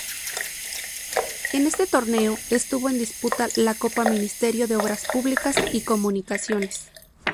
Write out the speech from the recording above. En este torneo estuvo en disputa la Copa Ministerio de Obras Públicas y Comunicaciones.